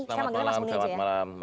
selamat malam merdeka